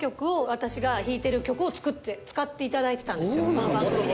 その番組で。